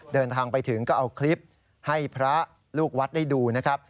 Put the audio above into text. เดินทางไปถึงก็เอาคลิปให้พระลูกวัดได้ดูนะครับ